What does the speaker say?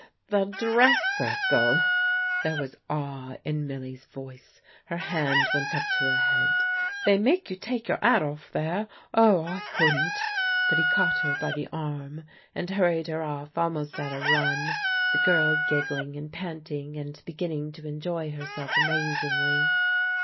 "The dress circle!" There was awe in Milly's voice; her hand went up to her head. "They make you take your 'at off there. Oh, I couldn't!" But he caught her by the arm and hurried her off almost at a run the girl giggling and panting and beginning to enjoy herself amazingly.